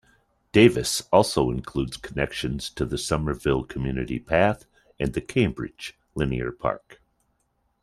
Davis also includes connections to the Somerville Community Path and the Cambridge Linear Park.